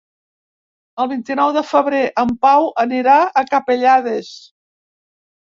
El vint-i-nou de febrer en Pau anirà a Capellades.